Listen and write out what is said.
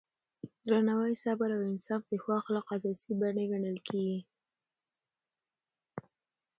درناوی، صبر او انصاف د ښو اخلاقو اساسي بڼې ګڼل کېږي.